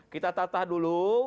kita tatah dulu